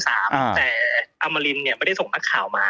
แต่อมรินเนี่ยไม่ได้ส่งนักข่าวมา